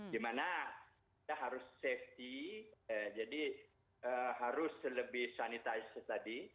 di mana kita harus safety jadi harus lebih sanitized tadi